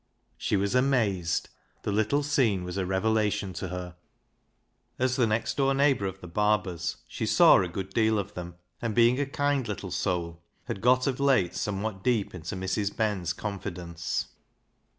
She was amazed. The little scene was a revelation to her. As the next door neighbour of the Barbers, she saw a good deal 73 74 BECKSIDE LIGHTS of them, and, being a kind little soul, had got of late somewhat deep into Mrs. Ben's confidence.